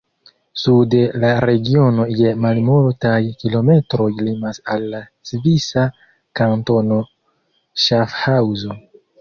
Sude la regiono je malmultaj kilometroj limas al la svisa kantono Ŝafhaŭzo.